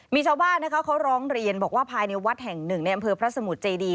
มีชาวบ้านนะคะเขาร้องเรียนบอกว่าภายในวัดแห่งหนึ่งในอำเภอพระสมุทรเจดี